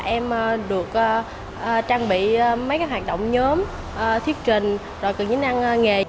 em được trang bị mấy cái hoạt động nhóm thiết trình rồi từ những năng nghề